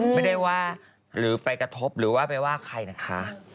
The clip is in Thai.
ไม่ได้ว่าหรือไปกระทบหรือว่าไปว่าใครนะคะ